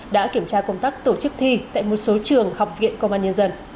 đã kiểm tra công tác tổ chức thi tại một số trường học viện công an nhân dân